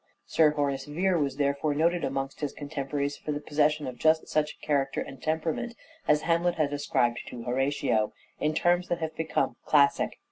Sir Horace Vere was therefore noted amongst his contemporaries for the possession of just such a character and temperament as Hamlet has ascribed to Horatio, in terms that have become classic.